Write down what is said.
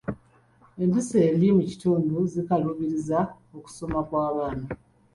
Empisa embi mu kitundu zikalubizza okusoma kw'abaana.